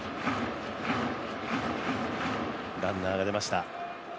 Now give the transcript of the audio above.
ランナーが出ました。